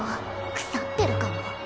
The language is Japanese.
くさってるかも。